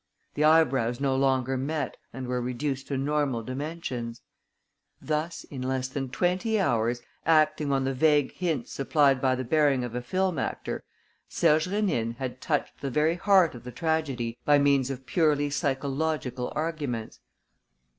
The eyebrows no longer met and were reduced to normal dimensions. Thus, in less than twenty hours, acting on the vague hints supplied by the bearing of a film actor, Serge Rénine had touched the very heart of the tragedy by means of purely psychological arguments.